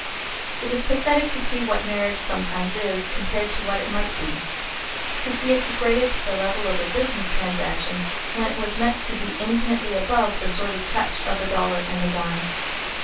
It is pathetic to see what marriage sometimes is, compared with what it might be to see it degraded to the level of a business transaction when it was meant to be infinitely above the sordid touch of the dollar and the dime.